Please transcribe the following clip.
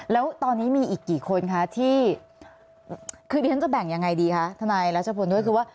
แล้วตอนนี้มีอีกกี่คนคะที่คือดิฉันจะแบ่งยังไงดีคะทนายรัชพลด้วยคือว่า